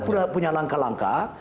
sudah punya langkah langkah